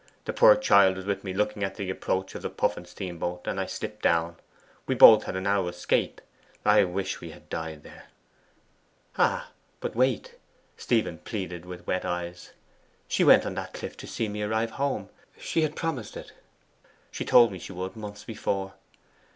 The poor child was with me looking at the approach of the Puffin steamboat, and I slipped down. We both had a narrow escape. I wish we had died there!' 'Ah, but wait,' Stephen pleaded with wet eyes. 'She went on that cliff to see me arrive home: she had promised it. She told me she would months before.